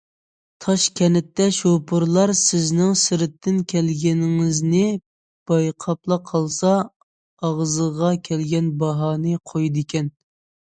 تاشكەنتتە شوپۇرلار سىزنىڭ سىرتتىن كەلگىنىڭىزنى بايقاپلا قالسا ئاغزىغا كەلگەن باھانى قويىدىكەن.